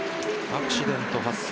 アクシデント発生。